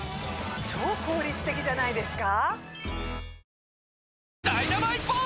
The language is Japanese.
超効率的じゃないですか？